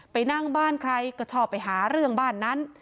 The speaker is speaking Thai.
ไปนั่งบ้านใครก็ชอบไปหาเรื่องบ้านนั้น